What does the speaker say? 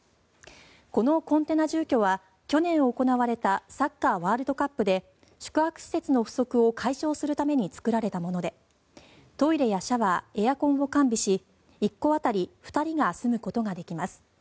このコンテナは、去年行われたサッカーワールドカップで宿泊施設の不足を解消するために作られたものでトイレやシャワーエアコンを完備し１戸当たり２人が住むことができます。